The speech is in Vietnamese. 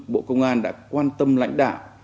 bộ công an đã quan tâm lãnh đạo